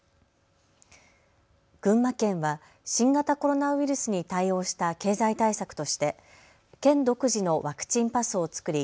群馬県は新型コロナウイルスに対応した経済対策として県独自のワクチンパスを作り